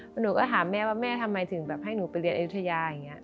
แล้วหนูก็ถามแม่ว่าแม่ทำไมถึงแบบให้หนูไปเรียนอายุทยาอย่างนี้